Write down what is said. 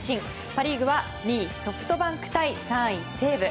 パ・リーグは２位ソフトバンク対３位、西武。